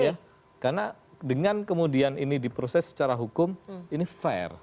ya karena dengan kemudian ini diproses secara hukum ini fair